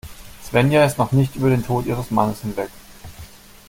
Svenja ist noch nicht über den Tod ihres Mannes hinweg.